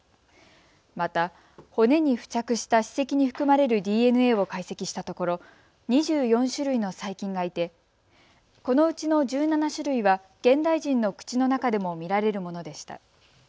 また骨に付着した歯石に含まれるＤＮＡを解析したところ２４種類の細菌がいてこのうちの１７種類は現代人の口の中でも見られるものでした。